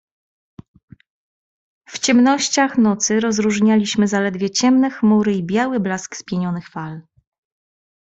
"W ciemnościach nocy rozróżnialiśmy zaledwie ciemne chmury i biały blask spienionych fal."